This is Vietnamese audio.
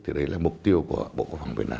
thì đấy là mục tiêu của bộ quốc phòng việt nam